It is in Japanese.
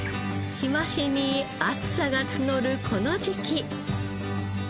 日増しに暑さが募るこの時期。